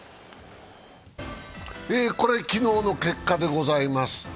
昨日の結果でございます。